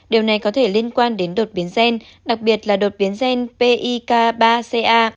điều này có thể liên quan đến đột biến gen đặc biệt là đột biến gen pik ba ca